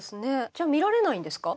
じゃあ見られないんですか？